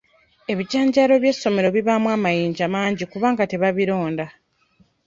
Ebijanjaalo by'essomero bibaamu amayinja mangi kubanga tebabironda.